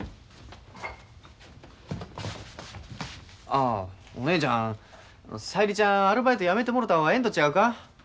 あお姉ちゃん小百合ちゃんアルバイトやめてもろた方がええんと違うか？